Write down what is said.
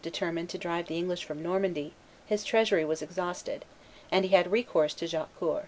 determined to drive the English from Normandy, his treasury was exhausted, and he had recourse to Jacques Coeur.